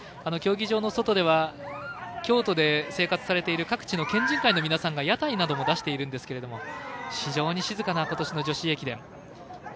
競技場の外では京都で生活されている各地の県人会の皆さんが屋台なども出しているんですけれども非常に静かなことしの女子駅伝。